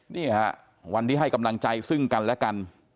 นี่ค่ะวันที่ให้กำลังใจซึ่งกันและกัน